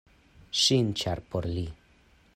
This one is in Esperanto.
Ŝin, ĉar por li.